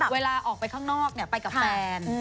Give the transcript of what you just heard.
อ๋อเวลาออกไปข้างนอกเนี่ยไปกับแฟน